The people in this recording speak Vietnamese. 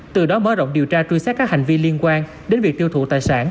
từ đó mới rộng điều tra truy sát các hành vi liên quan đến việc tiêu thụ tài sản